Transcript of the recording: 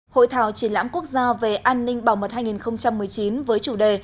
hội thảo triển lãm quốc gia về an ninh bảo mật hai nghìn một mươi chín với chủ đề